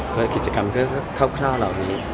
กิจกรรมเข้าข้าวเหล่านี้